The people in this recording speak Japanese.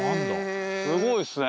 すごいっすね。